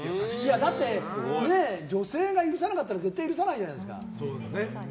だって、女性が許さなかったら絶対許さないじゃないですか。